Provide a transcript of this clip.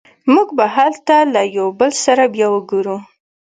موږ به هلته له یو بل سره بیا وګورو